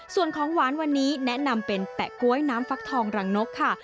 ส่วนของหวานวันนี้แนะนำเป็นแปะก๊วยน้ำฟักทองรังนกค่ะ